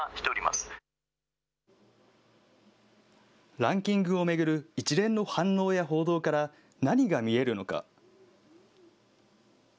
ランキングを巡る一連の反応や報道から何が見えるのか。